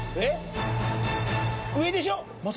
上でしょ？